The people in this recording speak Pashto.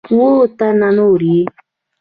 اووه تنه نور یې